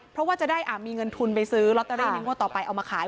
เพราะว่าจะได้มีเงินทุนไปซื้อลอตเตอรี่ในงวดต่อไปเอามาขาย